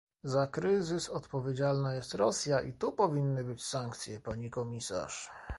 Za kryzys odpowiedzialna jest Rosja i tu powinny być sankcje, pani komisarz